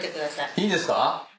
いいんですか？